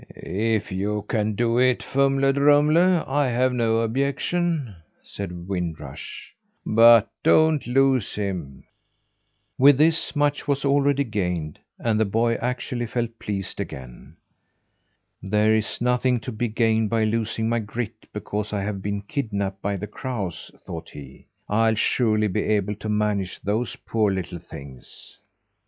"If you can do it, Fumle Drumle, I have no objection," said Wind Rush. "But don't lose him!" With this, much was already gained, and the boy actually felt pleased again. "There is nothing to be gained by losing my grit because I have been kidnapped by the crows," thought he. "I'll surely be able to manage those poor little things."